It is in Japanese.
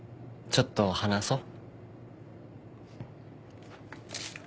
ちょっと話そう。